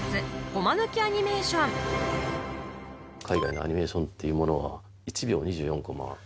海外のアニメーションっていうものは１秒２４コマ。